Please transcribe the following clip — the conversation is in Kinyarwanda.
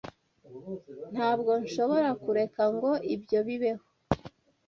Ntabwo nshobora kureka ngo ibyo bibeho